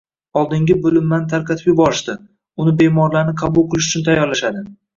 Oldingi bo`linmani tarqatib yuborishdi, uni bemorlarni qabul qilish uchun tayyorlashadi